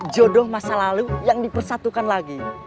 jodoh masa lalu yang dipersatukan lagi